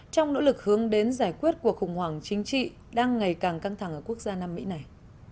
trong nỗ lực hướng đến giải quyết cuộc khủng hoảng chính trị đang ngày càng căng thẳng ở quốc gia nam mỹ này